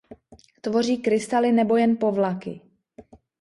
Tvoří krystaly nebo jen povlaky.